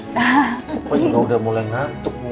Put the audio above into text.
papa juga udah mulai ngantuk nih